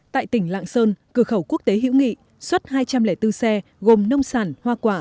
tại tỉnh lạng sơn cửa khẩu quốc tế hữu nghị xuất hai trăm linh bốn xe gồm nông sản hoa quả